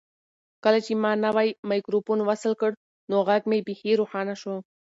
کله چې ما نوی مایکروفون وصل کړ نو غږ مې بیخي روښانه شو.